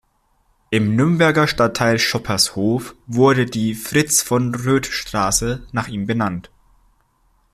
Im Nürnberger Stadtteil Schoppershof wurde die Fritz-von-Röth-Straße nach ihm benannt.